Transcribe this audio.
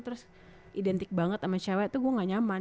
terus identik banget sama cewek tuh gue gak nyaman